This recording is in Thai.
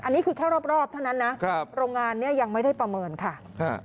อันนี้คือแค่รอบเท่านั้นนะครับโรงงานเนี่ยยังไม่ได้ประเมินค่ะ